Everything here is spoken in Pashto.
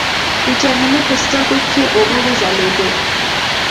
د نجيبې په سترګو کې اوبه وځلېدلې.